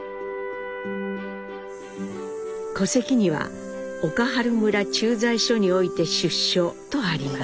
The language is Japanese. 戸籍には岡原村駐在所において出生とあります。